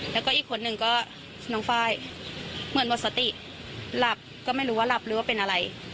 แล้วก็อีกคนหนึ่งก็น้องไฟล์เหมือนหมดสติหลับก็ไม่รู้ว่าหลับหรือว่าเป็นอะไร